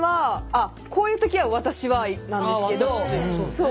そう。